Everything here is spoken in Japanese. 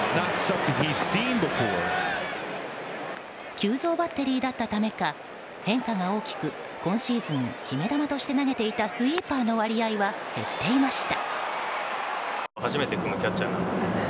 急造バッテリーだったためか変化が大きく、今シーズン決め球として投げていたスイーパーの割合は減っていました。